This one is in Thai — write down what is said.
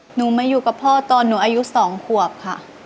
หนูมาอยู่กับพ่อตอนหนูอายุ๒ขวบค่ะ